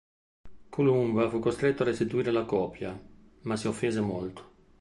Columba fu costretto a restituire la copia, ma si offese molto.